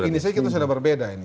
ini sudah berbeda